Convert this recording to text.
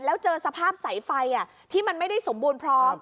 แล้วเจอสภาพสายไฟที่มันไม่ได้สมบูรณ์พร้อม